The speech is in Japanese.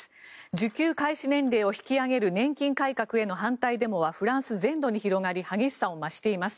受給開始年齢を引き上げる年金改革への反対デモはフランス全土に広がり激しさを増しています。